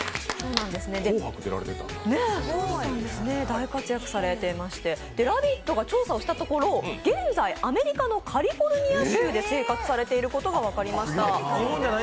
大活躍されていまして「ラヴィット！」が調査をしたところ現在、アメリカのカリフォルニア州で生活されていることが分かりました。